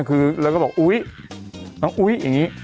คือแล้วก็บอกอุ๊ยน้องอุ๊ยอย่างนี้